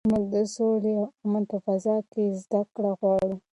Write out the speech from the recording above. موږ د سولې او امن په فضا کې زده کړه غواړو.